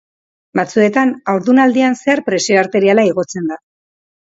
Batzuetan haurdunaldian zehar presio arteriala igotzen da.